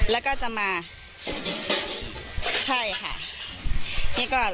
แล้วก็จะมาใช่ค่ะ